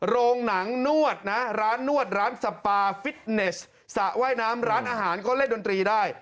โรงหนังนวดนะร้านนวดร้านสปาฟิตเนสสระว่ายน้ำร้านอาหารก็เล่นดนตรีได้